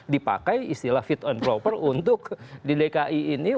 dipakai istilah fit and proper untuk di dki ini